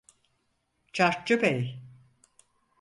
Çarkçı Bey!